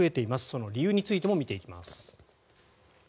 その理由についても見ていきます。